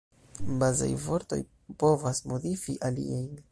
Bazaj vortoj povas modifi aliajn.